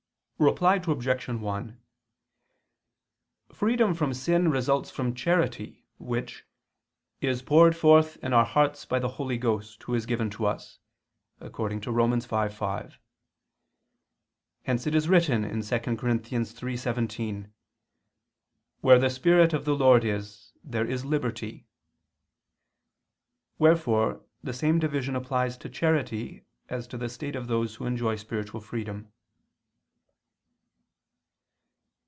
Reply Obj. 1: Freedom from sin results from charity which "is poured forth in our hearts by the Holy Ghost, Who is given to us" (Rom. 5:5). Hence it is written (2 Cor. 3:17): "Where the Spirit of the Lord is, there is liberty." Wherefore the same division applies to charity as to the state of those who enjoy spiritual freedom.